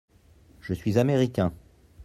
Je suis (américain).